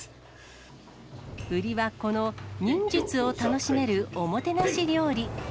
売りはこの忍術を楽しめるおもてなし料理。